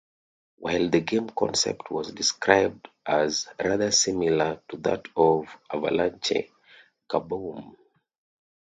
While the game concept was described as rather similar to that of "Avalanche", "Kaboom!